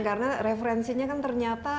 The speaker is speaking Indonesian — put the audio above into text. karena referensinya kan ternyata